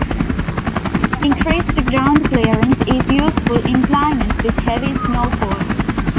Increased ground clearance is useful in climates with heavy snowfall.